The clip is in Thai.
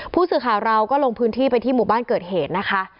ผู้สื่อข่าวเราก็ลงพื้นที่ไปที่หมู่บ้านเกิดเหตุนะคะ